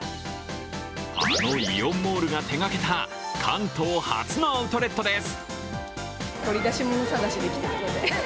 あのイオンモールが手がけた関東初のアウトレットです。